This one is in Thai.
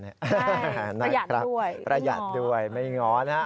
ใช่ประหยัดด้วยไม่ง้อน